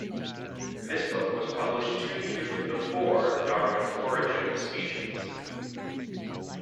This book was published two years "before" Darwin's "Origin of Species".